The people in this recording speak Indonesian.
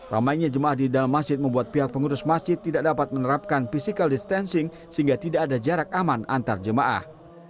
ramainya jemaah di dalam masjid membuat pihak pengurus masjid tidak dapat menerapkan physical distancing sehingga tidak ada jarak aman antar jemaah